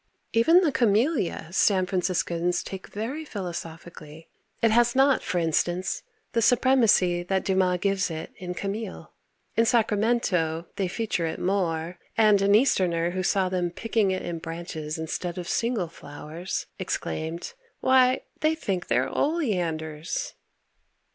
Even the camellia San Franciscans take very philosophically. It has not, for instance, the supremacy that Dumas gives it in "Camille." In Sacramento they feature it more and an Easterner who saw them picking it in branches instead of single flowers, exclaimed: "Why, they think they're oleanders."